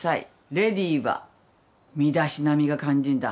レディーは身だしなみが肝心だ。